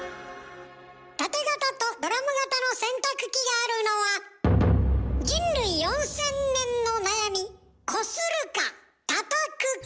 タテ型とドラム型の洗濯機があるのは人類４，０００年の悩みこするかたたくか！